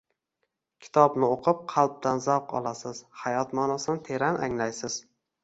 Kitobni o‘qib, qalban zavq olasiz, hayot ma’nosini teran anglaysiz